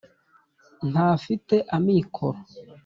Ntafite amikoro .